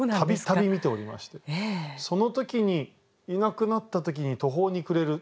度々見ておりましてその時にいなくなった時に途方に暮れる。